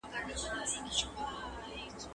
تر بلې اونۍ به مي خپله پروژه سپارلې وي.